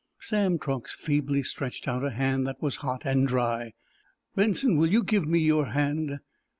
Sam Truax feebly stretched out a hand that was hot and dry. "Benson, will you give me your hand?"